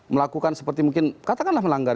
melakukan seperti mungkin katakanlah melanggar